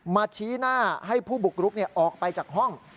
ชี้หน้าให้ผู้บุกรุกออกไปจากห้อง